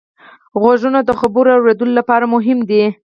غوږونه د خبرو اورېدلو لپاره مهم دي